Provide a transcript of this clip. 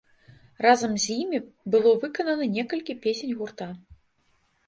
Разам з імі было выканана некалькі песень гурта.